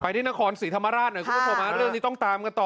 ที่นครศรีธรรมราชหน่อยคุณผู้ชมเรื่องนี้ต้องตามกันต่อ